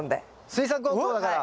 水産高校だから。